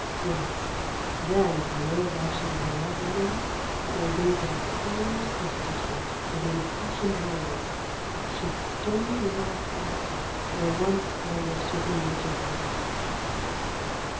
Yes, then I will write you a love letter that will be but a poor substitute for the impassioned words that should stir your heart, were once my lips within reach of yours.